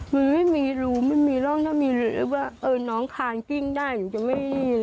มันไม่มีรูไม่มีร่องถ้ามีว่าเออน้องคานกิ้งได้หนูจะไม่